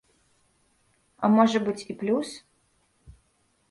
А можа быць, і плюс.